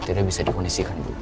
tidak bisa di kondisikan